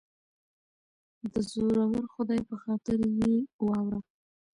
دزورور خدای په خاطر یه واوره